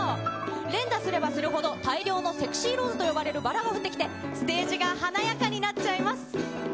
連打すればするほど大量のＳｅｘｙＲｏｓｅと呼ばれるバラが出てきて、ステージが華やかになっちゃいます。